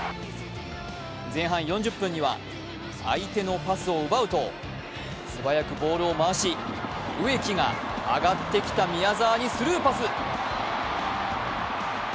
前半４０分には相手のパスを奪うと素早くボールを回し、植木が上がってきた宮澤にスルーパス。